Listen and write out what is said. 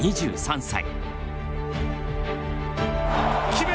２３歳。